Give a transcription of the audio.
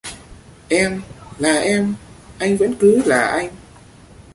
em là em ; anh vẫn cứ là anh.